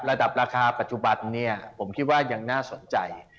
ราคาปัจจุบันเนี่ยผมคิดว่ายังน่าสนใจ